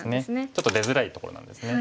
ちょっと出づらいところなんですね。